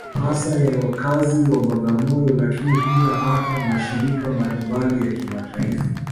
Hasa ya wakazi wa Bagamoyo Lakini pia hata mashirika mbalimbali ya kimataifa